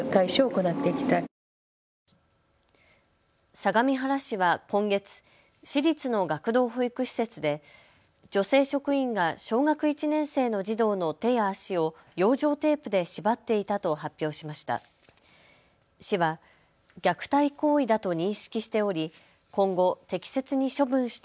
相模原市は今月、市立の学童保育施設で女性職員が小学１年生の児童の手や足を養生テープで縛っていたと発表しました。